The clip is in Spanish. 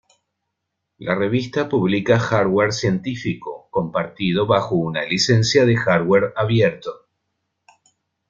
La revista publica hardware científico, compartido bajo una licencia de hardware abierto.